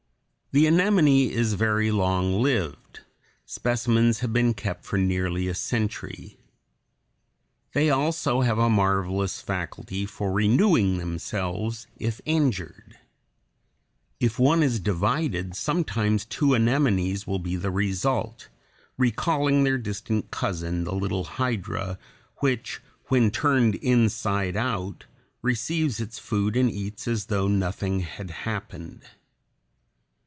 The anemone is very long lived; specimens have been kept for nearly a century. They also have a marvelous faculty for renewing themselves if injured. If one is divided, sometimes two anemones will be the result, recalling their distant cousin the little hydra, which when turned inside out receives its food and eats as though nothing had happened.